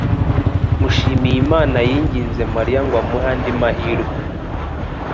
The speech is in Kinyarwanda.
Mushimiyimana yinginze Mariya ngo amuhe andi mahirwe